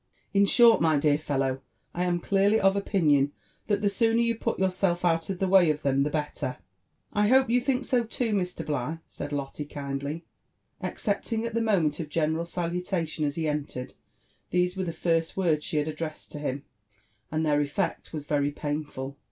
In short, my dear fellow, I am clearly of opinion that the sooner you put yourself out of the way of them the better." *' I hope you think so too, Mr. Bligh?" said Lotte kindly. Excepting at the moment of general salutation as he entered, these were the first words she had addressed to him, and their effect was very painful.